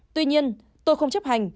tuy nhiên tôn không chấp hành